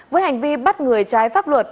với hành vi bắt người trái pháp luật